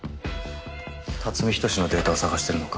辰巳仁志のデータを探してるのか。